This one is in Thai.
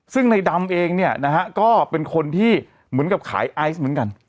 ซึ่งในดำเองเนี่ยนะฮะก็เป็นคนที่เหมือนกับขายไอซ์เหมือนกัน